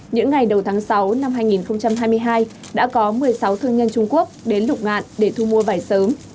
những ngày đầu tháng sáu năm hai nghìn hai mươi hai đã có một mươi sáu thương nhân trung quốc đến lục ngạn để thu mua vải sớm